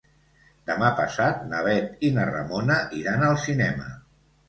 Demà passat na Bet i na Ramona iran al cinema.